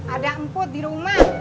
ada emput di rumah